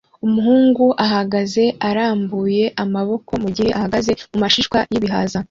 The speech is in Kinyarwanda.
Umuhungu ahagaze arambuye amaboko mugihe ahagaze mumashishwa y'ibihaza